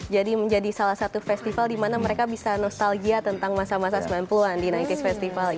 jadi menjadi salah satu festival di mana mereka bisa nostalgia tentang masa masa sembilan puluh an di sembilan puluh s festival ini